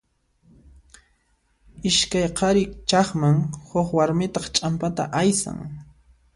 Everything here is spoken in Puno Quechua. Iskay qhari chaqman, huk warmitaq ch'ampata aysan.